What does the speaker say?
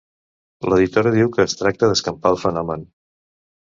L'editora diu que es tracta d'escampar el fenomen.